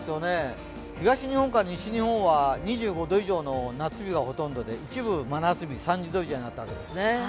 東日本から西日本は２５度以上の夏日がほとんどで一部真夏日、３０度以上になったわけですね。